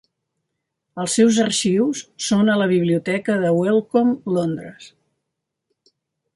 Els seus arxius són a la Biblioteca de Wellcome, Londres.